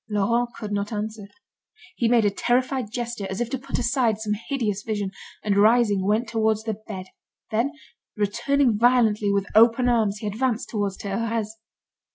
Laurent could not answer. He made a terrified gesture as if to put aside some hideous vision, and rising went towards the bed. Then, returning violently with open arms, he advanced towards Thérèse.